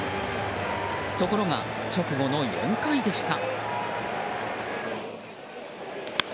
ところが直後の４回でした。